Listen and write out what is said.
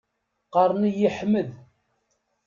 Qqaren-iyi Ḥmed.